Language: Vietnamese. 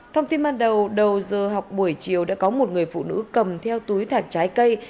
thông tin ban đầu đầu giờ học buổi chiều đã có một người phụ nữ cầm theo túi thạch trái cây